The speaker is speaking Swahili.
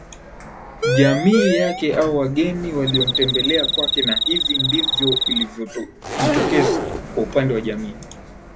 Jamii yake au wageni waliomtembelea kwake Na hivi ndivyo ilivyojitokeza kwa upande wa jamii